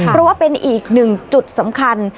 เพราะว่าเป็นอีกหนึ่งจุดสำคัญ